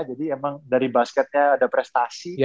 jadi emang dari basketnya ada prestasi